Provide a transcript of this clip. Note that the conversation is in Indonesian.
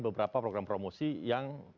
beberapa program promosi yang